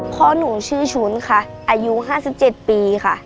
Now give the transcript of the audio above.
พ่อหนูชื่อชุ้นค่ะอายุ๕๗ปีค่ะ